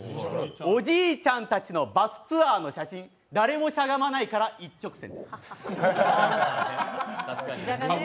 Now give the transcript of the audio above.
おじいちゃんたちのバスツアーの写真、誰もしゃがまないから、一直線。